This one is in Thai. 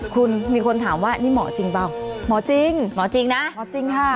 คุณมีคนถามว่านี่หมอจริงเปล่าหมอจริงหมอจริงนะหมอจริงค่ะ